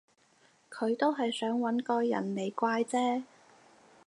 佢都係想搵個人嚟怪啫